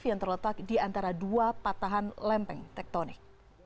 yang terletak di antara dua patahan lempeng tektonik